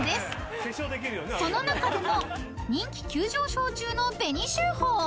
［その中でも人気急上昇中の紅秀峰］